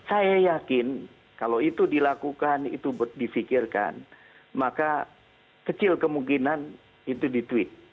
saya yakin kalau itu dilakukan itu difikirkan maka kecil kemungkinan itu di tweet